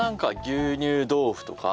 牛乳豆腐ね。